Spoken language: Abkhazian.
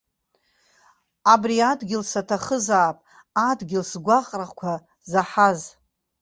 Абри адгьыл саҭахызаап, адгьыл сгәаҟрақәа заҳаз.